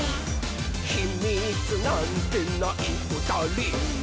「ヒミツなんてないふたり」